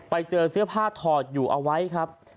ไปเจอเสื้อผ้าถอดอยู่เอาไว้ครับ